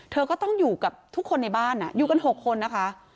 เธอก็ต้องอยู่กับทุกคนในบ้านอยู่กัน๖คนนะคะ